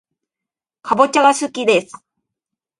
かぼちゃがすきです